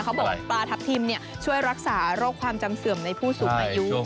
เขาบอกว่าปลาทับทิมช่วยรักษาโรคความจำเสื่อมในผู้สูงใหม่ยุค